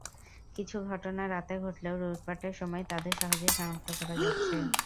কিছু ঘটনা রাতে ঘটলেও লুটপাটের সময় তাঁদের সহজেই শনাক্ত করা যাচ্ছে।